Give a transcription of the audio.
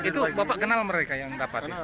itu bapak kenal mereka yang dapat